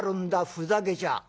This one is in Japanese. ふざけちゃ。